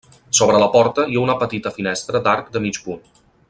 Sobre la porta hi ha una petita finestra d'arc de mig punt.